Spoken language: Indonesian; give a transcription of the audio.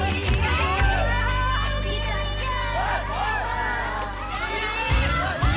ini gak nyangka ternyata